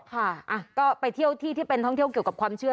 ค่ะก็ไปเที่ยวที่ที่เป็นท่องเที่ยวเกี่ยวกับความเชื่อ